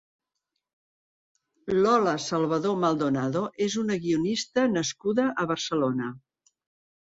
Lola Salvador Maldonado és una guionista nascuda a Barcelona.